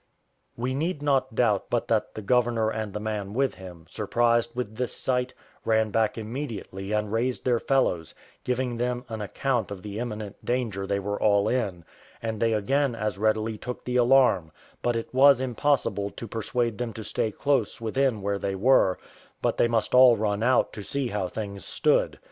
We need not doubt but that the governor and the man with him, surprised with this sight, ran back immediately and raised their fellows, giving them an account of the imminent danger they were all in, and they again as readily took the alarm; but it was impossible to persuade them to stay close within where they were, but they must all run out to see how things stood.